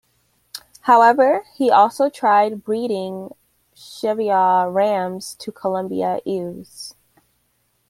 However, he also tried breeding Cheviot rams to Columbia ewes.